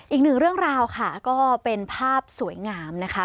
อีกหนึ่งเรื่องราวค่ะก็เป็นภาพสวยงามนะคะ